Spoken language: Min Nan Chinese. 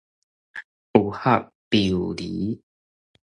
有合必有離